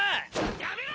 ・やめろ！